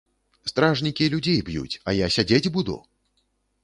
Стражнікі людзей б'юць, а я сядзець буду?